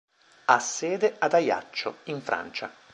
Ha sede ad Ajaccio in Francia.